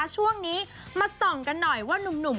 ช่วงนี้มาส่องกันหน่อยว่านุ่ม